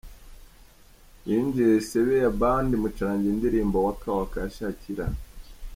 Yinjiye Sebeya Band imucurangira indirimbo Waka Waka ya Shakira.